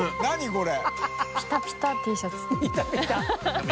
これ。